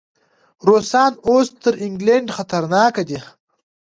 روسان اوس تر انګلینډ خطرناک دي.